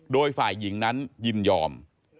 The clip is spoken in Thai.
โดยฝ่ายหญิงนั้นยินยอม